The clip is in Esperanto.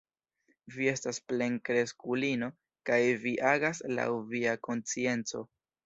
Vi estas plenkreskulino kaj vi agas laŭ via konscienco.